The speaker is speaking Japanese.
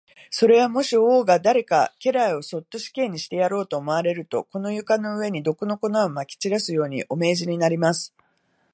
それは、もし王が誰か家来をそっと死刑にしてやろうと思われると、この床の上に、毒の粉をまき散らすように、お命じになります。